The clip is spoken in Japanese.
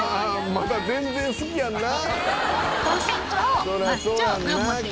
まだ全然好きやんな」